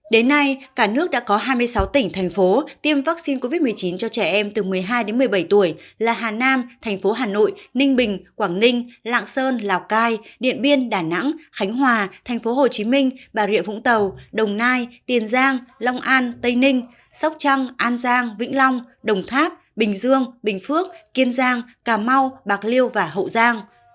đến nay cả nước đã có hai mươi sáu tỉnh thành phố tiêm vaccine covid một mươi chín cho trẻ em từ một mươi hai một mươi bảy tuổi là hà nam thành phố hà nội ninh bình quảng ninh lạng sơn lào cai điện biên đà nẵng khánh hòa thành phố hồ chí minh bà rịa vũng tàu đồng nai tiền giang long an tây ninh sóc trăng an giang vĩnh long đồng tháp bình dương bình phước kiên giang cà mau bạc liêu và hậu giang